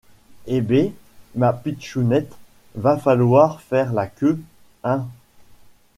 Eh bé ma pitchounette va falloir faire la queue, hein !